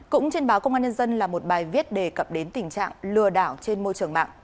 cũng trên báo công an nhân dân là một bài viết đề cập đến tình trạng lừa đảo trên môi trường mạng